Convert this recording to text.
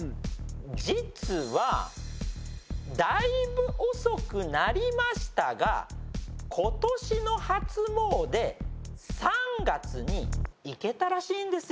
実はだいぶ遅くなりましたが今年の初詣３月に行けたらしいんですよ。